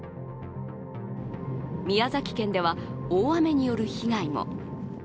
宮崎県では大雨による被害も。